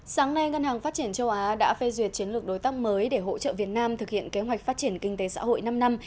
sáng nay ngân hàng phát triển châu á đã phê duyệt chiến lược đối tác mới để hỗ trợ việt nam thực hiện kế hoạch phát triển kinh tế xã hội năm năm